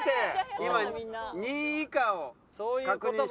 今２位以下を確認しております。